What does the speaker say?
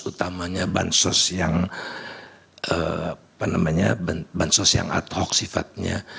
utamanya bansos yang ad hoc sifatnya